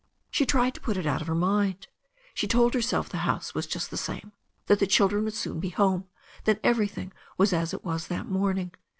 She tried to put it out of her mind. She told herself the house was just the same, that the children would soon be home, that everything was as it was that morning.